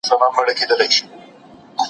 زبير بن عوام به کله کله له مېرمني سره شدت کاوه.